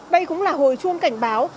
đây cũng là hồi chuông cảnh báo